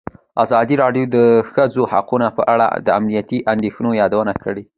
ازادي راډیو د د ښځو حقونه په اړه د امنیتي اندېښنو یادونه کړې.